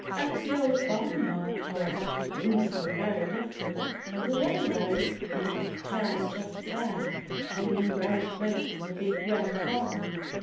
At the Old Barnyard, however, things were very different, for the railroad made a turn just there and came in very close to the Big Red Barn.